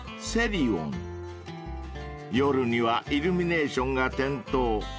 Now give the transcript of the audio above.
［夜にはイルミネーションが点灯］